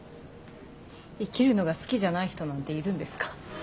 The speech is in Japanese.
生きるのが好きじゃない人なんているんですか？